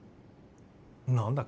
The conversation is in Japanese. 何だっけ？